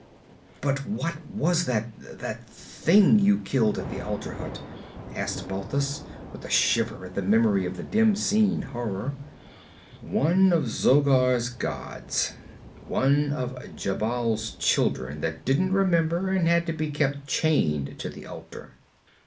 'But what was that that thing you killed in the altar hut?' asked Balthus, with a shiver at the memory of the dim seen horror. 'One of Zogar's gods. One of Jhebbal's children that didn't remember and had to be kept chained to the altar.